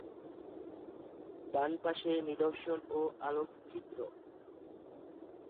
ডান পাশে নিদর্শন ও আলোকচিত্র।